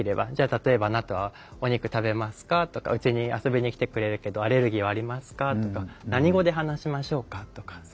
例えば「あなたはお肉食べますか？」とか「うちに遊びに来てくれるけどアレルギーはありますか？」とか「何語で話しましょうか？」とかそういうのって